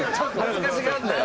恥ずかしがるなよ